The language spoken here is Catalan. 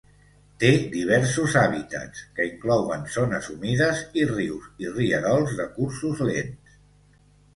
Té diversos hàbitats, que inclouen zones humides i rius i rierols de cursos lents.